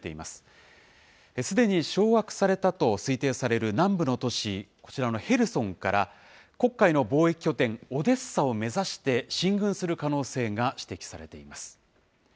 すでに掌握されたと推定される南部の都市、こちらのヘルソンから、黒海の貿易拠点、オデッサを目指して進軍する可能性が指摘されています。